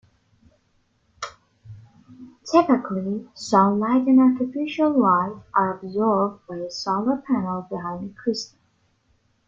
Typically, sunlight and artificial light are absorbed by a solar panel behind the crystal.